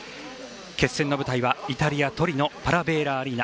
決戦の舞台はイタリア・トリノパラヴェーラアリーナ。